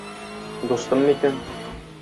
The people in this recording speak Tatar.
Дустым микән?